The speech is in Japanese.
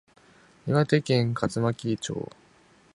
岩手県葛巻町